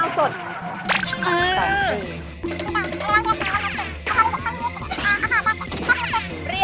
กำลังหาโชว์ใจดี